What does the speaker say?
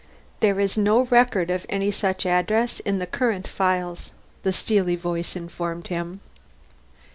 "There is no record of any such address in the current files," the steely voice informed him.